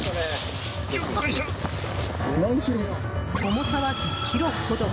重さは、１０ｋｇほど。